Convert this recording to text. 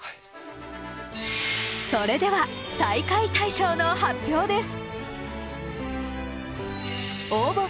それでは大会大賞の発表です。